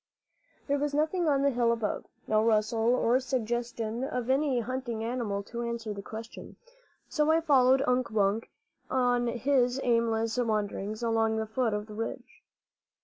There was nothing on the hill above, no rustle or suggestion of any hunting animal to answer the question; so I followed Unk Wunk on his aimless wanderings along the foot of the ridge.